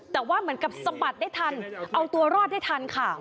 แต่ว่าเหมือนกับสะบัดได้ทันเอาตัวรอดได้ทันค่ะ